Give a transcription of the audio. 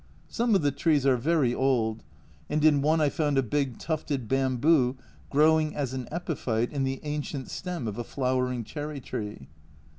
Some of the trees are very old, and in one I found a big tufted bamboo growing as an epiphyte in the ancient stem of a flowering cherry tree.